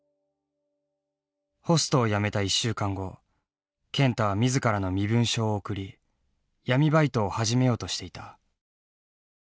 ホストを辞めた１週間後健太は自らの身分証を送り闇バイトを始めようとしていた。